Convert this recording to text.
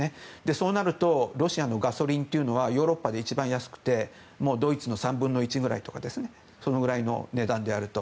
そうなるとロシアのガソリンというのはヨーロッパで一番安くてドイツの３分の１くらいとかそのくらいの値段であると。